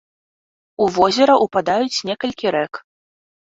У возера ўпадаюць некалькі рэк.